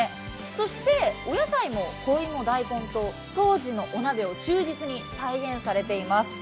そして、お野菜も、こ芋、大根と当時のお鍋を忠実に再現されています。